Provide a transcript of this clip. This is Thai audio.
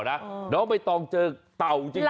น้องใบตองเจอเต่าจริง